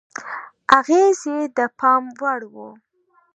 اغېز یې د پام وړ و.